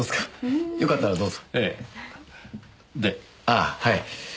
ああはい。